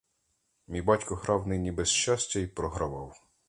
Мій батько грав нині без щастя й програвав.